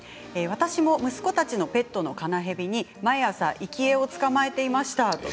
私も息子たちのペットのカナヘビに毎朝、生き餌を捕まえていました。